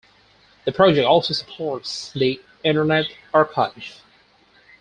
The project also supports the Internet Archive.